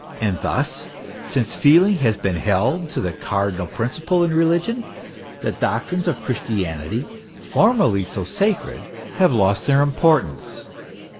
And thus, since feeling has been held the cardinal principle in religion, the doctrines of Christianity, formerly so sacred, have lost their importance.